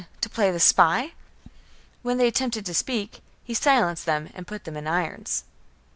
To play the spy?" When they attempted to speak, he silenced them and put them in irons.